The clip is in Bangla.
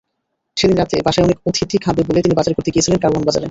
সেদিন রাতে বাসায় অনেক অতিথি খাবে বলে তিনি বাজার করতে গিয়েছিলেন কারওয়ান বাজারে।